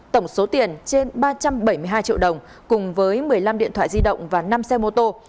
tổng số tiền trên ba trăm bảy mươi hai triệu đồng cùng với một mươi năm điện thoại di động và năm xe mô tô